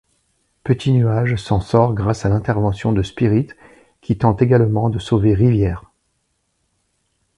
Petit-Nuage s'en sort grâce à l'intervention de Spirit, qui tente également de sauver Rivière.